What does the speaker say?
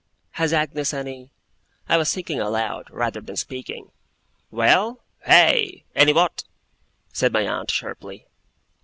'Has Agnes any ' I was thinking aloud, rather than speaking. 'Well? Hey? Any what?' said my aunt, sharply.